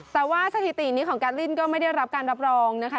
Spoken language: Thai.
แต่ว่าสถิตินี้ของการเล่นก็ไม่ได้รับการรับรองนะคะ